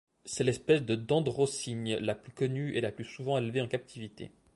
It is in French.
C'est l'espèce de dendrocygne la plus connue et la plus souvent élevée en captivité.